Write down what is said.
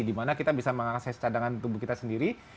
dimana kita bisa mengakses cadangan tubuh kita sendiri